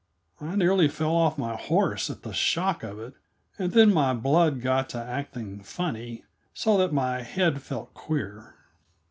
I nearly fell off my horse at the shock of it, and then my blood got to acting funny, so that my head felt queer.